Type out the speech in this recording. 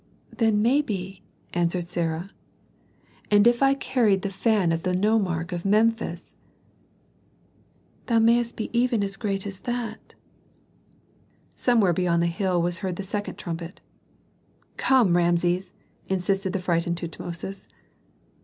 "Then maybe " answered Sarah. "And if I carried the fan of the nomarch of Memphis?" "Thou mayest be even as great as that " Somewhere beyond the hill was heard the second trumpet. "Come, Rameses!" insisted the frightened Tutmosis.